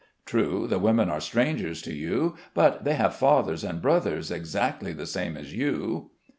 True, the women are strangers to you, but they have fathers and brothers exactly the same as you...."